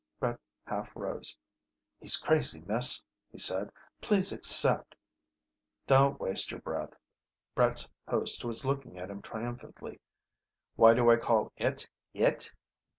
Brett half rose. "He's crazy, miss," he said. "Please accept " "Don't waste your breath." Brett's host was looking at him triumphantly. "Why do I call it 'it'?"